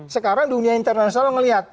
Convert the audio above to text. sekarang dunia internasional melihat